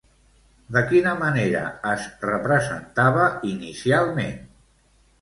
De quina manera es representava inicialment?